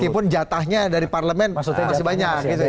meskipun jatahnya dari parlemen masih banyak